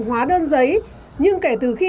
hóa đơn giấy nhưng kể từ khi